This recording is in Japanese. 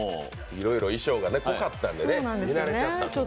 いろいろ衣装が濃かったんで見慣れちゃったんですね。